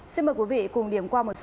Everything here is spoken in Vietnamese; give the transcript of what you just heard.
xin mời quý vị cùng điểm qua một số